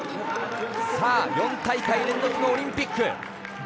４大会連続のオリンピック。